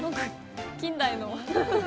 近代の。